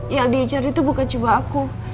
yang dia cari tuh bukan cuma aku